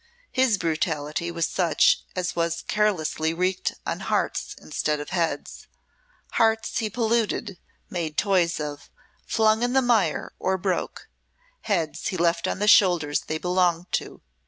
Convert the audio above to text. His brutality was such as was carelessly wreaked on hearts instead of heads hearts he polluted, made toys of, flung in the mire or broke; heads he left on the shoulders they belonged to.